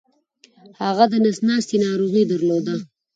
هغه دنس ناستې ناروغې درلوده